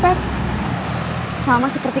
braga kabar inggris pria